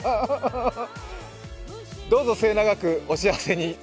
どうぞ末永くお幸せに。